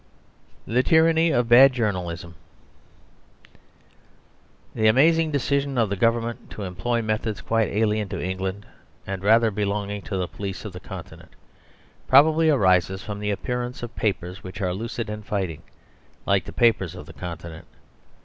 THE TYRANNY OF BAD JOURNALISM The amazing decision of the Government to employ methods quite alien to England, and rather belonging to the police of the Continent, probably arises from the appearance of papers which are lucid and fighting, like the papers of the Continent.